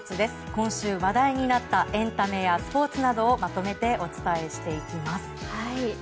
今週話題になったエンタメやスポーツなどをまとめてお伝えしていきます。